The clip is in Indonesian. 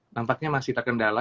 nampaknya masih terkendala